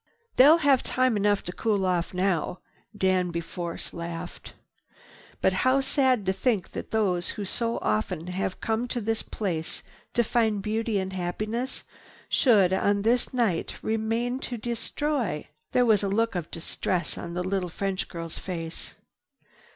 "They'll have time enough to cool off now," Danby Force laughed. "But how sad to think that those who so often have come to this place to find beauty and happiness should, on this last night, remain to destroy!" There was a look of distress on the little French girl's face.